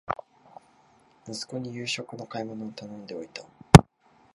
息子に夕食の買い物を頼んでおいた